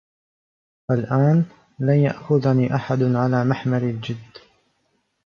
الآن، لن يأخذني أحد على محمل الجدّ.